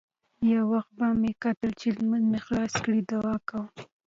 يو وخت به مې کتل چې لمونځ مې خلاص کړى دعا کوم.